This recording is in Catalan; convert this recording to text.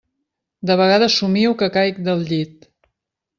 De vegades somio que caic del llit.